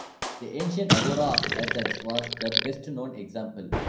The Ancient Agora of Athens was the best-known example.